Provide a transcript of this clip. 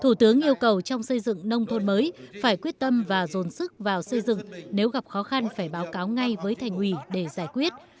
thủ tướng yêu cầu trong xây dựng nông thôn mới phải quyết tâm và dồn sức vào xây dựng nếu gặp khó khăn phải báo cáo ngay với thành ủy để giải quyết